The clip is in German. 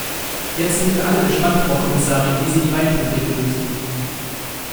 Jetzt sind wir alle gespannt, Frau Kommissarin, wie Sie die Weinprobleme lösen.